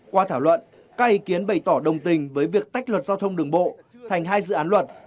qua thảo luận các ý kiến bày tỏ đồng tình với việc tách luật giao thông đường bộ thành hai dự án luật